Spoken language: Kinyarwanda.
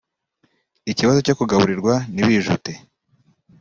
Ikibazo cyo kugaburirwa ntibijute